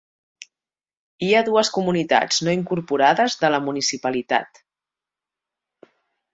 Hi ha dues comunitats no incorporades de la municipalitat.